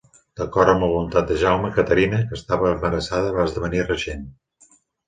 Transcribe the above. D'acord amb la voluntat de Jaume, Caterina, que estava embarassada, va esdevenir regent.